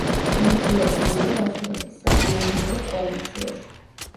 მონაწილეობა მიიღო ასურეთის საწინააღმდეგო კოალიციაში.